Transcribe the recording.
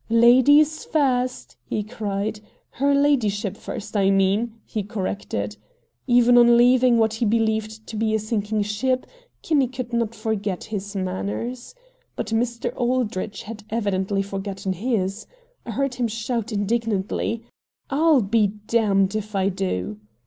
"Ladies first!" he cried. "Her ladyship first, I mean," he corrected. Even on leaving what he believed to be a sinking ship, Kinney could not forget his manners. But Mr. Aldrich had evidently forgotten his. I heard him shout indignantly: "I'll be damned if I do!"